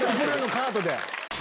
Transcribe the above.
カートで！